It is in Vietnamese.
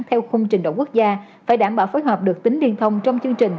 theo khung trình độ quốc gia phải đảm bảo phối hợp được tính liên thông trong chương trình